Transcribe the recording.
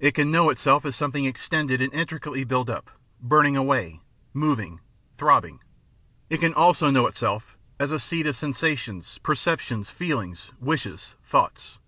It can know itself as something extended and intricately built up, burning away, moving, throbbing ; it can also know itself as the seat of sen sations, perceptions, feelings, wishes, thoughts.